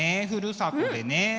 ふるさとでね。